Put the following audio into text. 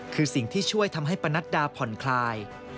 คือสิ่งที่ช่วยทำให้ปนัดดาผ่อนคลาย